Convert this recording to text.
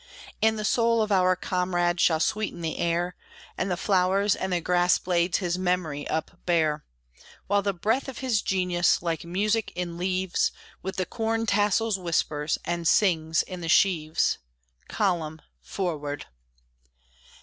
And the soul of our comrade shall sweeten the air, And the flowers and the grass blades his memory upbear; While the breath of his genius, like music in leaves, With the corn tassels whispers, and sings in the sheaves "Column! Forward!"